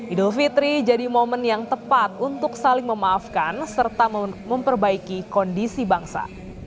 idul fitri jadi momen yang tepat untuk saling memaafkan serta memperbaiki kondisi bangsa